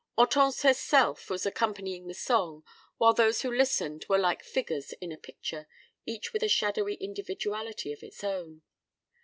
Hortense herself was accompanying the song, while those who listened were like figures in a picture, each with a shadowy individuality of its own.